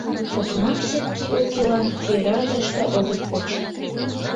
Окнам сетке укелан кӧра тыште огыт поч.